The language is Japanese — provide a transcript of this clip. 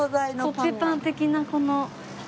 コッペパン的なこの。